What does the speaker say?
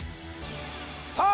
さあ